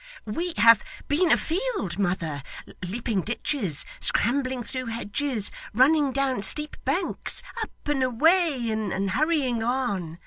'We have been afield, mother leaping ditches, scrambling through hedges, running down steep banks, up and away, and hurrying on.